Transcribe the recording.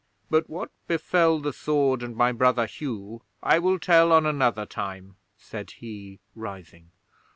'But what befell the sword and my brother Hugh I will tell on another time,' said he, rising.